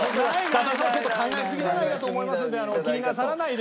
旦那さんはちょっと考えすぎじゃないかと思いますので気になさらないで。